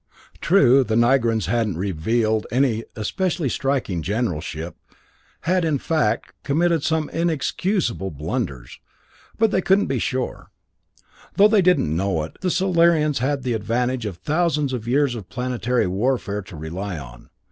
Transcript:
True, the Nigrans hadn't revealed any especially striking generalship had, in fact, committed some inexcusable blunders but they couldn't be sure. Though they didn't know it, the Solarians had the advantage of thousands of years of planetary warfare to rely on.